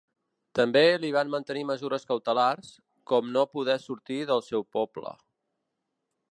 També li va mantenir mesures cautelars, com no poder sortir del seu poble.